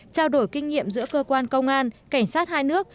trao đổi kinh nghiệm giữa cơ quan công an cảnh sát hai nước